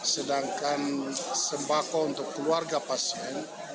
sedangkan sembako untuk keluarga pasien